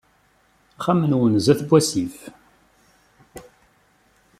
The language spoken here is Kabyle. Axxam-nnun sdat n wasif.